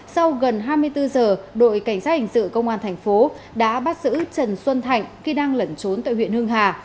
sau gần hai mươi bốn giờ đội cảnh sát hành sự công an tp thái bình đã bắt giữ trần xuân thạnh khi đang lẩn trốn tại huyện hưng hà